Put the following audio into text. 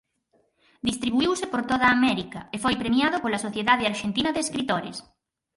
Distribuíuse por toda América e foi premiado pola Sociedade Arxentina de Escritores.